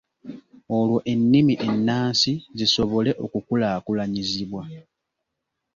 Olwo ennimi ennansi zisobole okukulaakulanyizibwa.